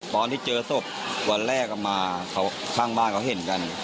ตอนที่เจอศพวันแรกมาข้างบ้านเขาเห็นกัน